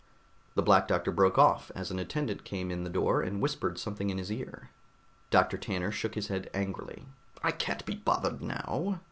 The Black Doctor broke off as an attendant came in the door and whispered something in his ear. Doctor Tanner shook his head angrily, "I can't be bothered now!"